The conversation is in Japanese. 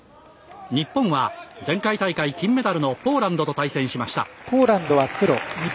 日本は前回大会、金メダルのポーランドと対戦しました。